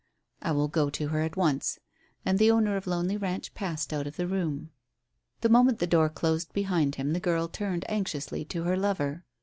"I will go to her at once." And the owner of Lonely Ranch passed out of the room. The moment the door closed behind him the girl turned anxiously to her lover.